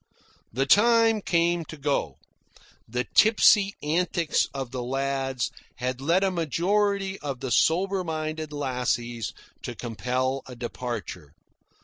The time came to go. The tipsy antics of the lads had led a majority of the soberer minded lassies to compel a departure.